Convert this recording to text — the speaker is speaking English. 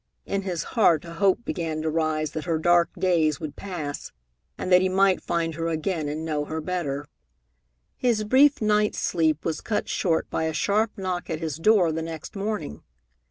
In his heart a hope began to rise that her dark days would pass, and that he might find her again and know her better. His brief night's sleep was cut short by a sharp knock at his door the next morning.